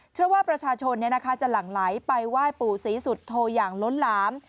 เชื่อว่าประชาชนจะหลั่งไหลไปไหว้ปู่ศรีสุโธอย่างล้นหลาม